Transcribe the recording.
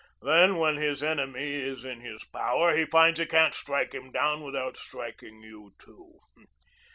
Then, when his enemy is in his power, he finds he can't strike him down without striking you too.